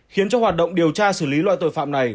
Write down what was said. khiến cho hoạt động điều tra xử lý loại tội phạm này